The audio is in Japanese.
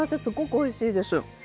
すごくおいしいです。